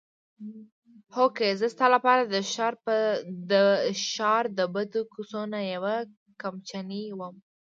هوکې زه ستا لپاره د ښار د بدو کوڅو نه یوه کمچنۍ وم.